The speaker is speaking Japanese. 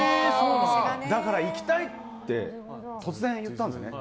だから行きたいって突然、言ったんですね。